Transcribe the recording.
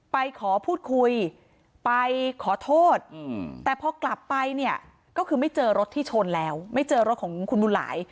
ไปขอพูดคุยไปขอโทษแต่พอกลับไปเนี่ยก็คือไม่เจอรถที่ชนแล้วไม่เจอรถของคุณบุญหลาย